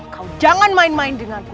kau jangan main main denganku